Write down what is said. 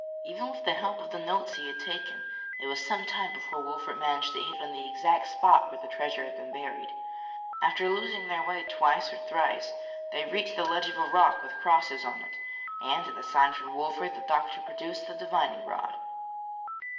Even with the help of the notes he had taken, it was some time before Wolfert managed to hit on the exact spot where the treasure had been buried. After losing their way twice or thrice they reached the ledge of rock with the crosses on it, and at a sign from Wolfert the doctor produced the divining rod.